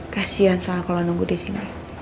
kasian soal kalau nunggu di sini